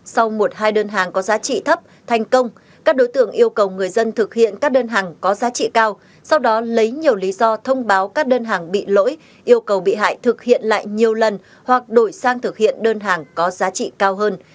sau một hai đơn hàng có giá trị thấp thành công các đối tượng yêu cầu người dân thực hiện các đơn hàng có giá trị cao sau đó lấy nhiều lý do thông báo các đơn hàng bị lỗi yêu cầu bị hại thực hiện lại nhiều lần hoặc đổi sang thực hiện đơn hàng có giá trị cao hơn